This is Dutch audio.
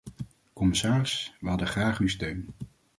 Commissaris, wij hadden graag uw steun.